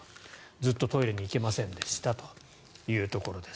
ずっとトイレに行けませんでしたというところです。